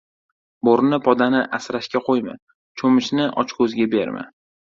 • Bo‘rini podani asrashga qo‘yma, cho‘michni ochko‘zga berma.